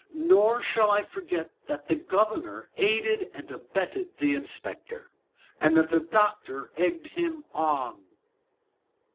"Nor shall I forget that the governor aided and abetted the inspector, and that the doctor egged him on."